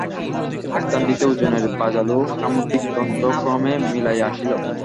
স্থানটিতে ওজনের বাজালো সামুদ্রিক গন্ধ ক্রমে মিলাইয়া আসিল।